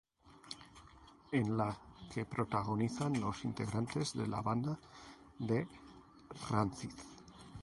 En la que protagonizan los integrantes de la banda de Rancid.